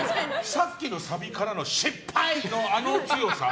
さっきのサビからの失敗のあの強さ。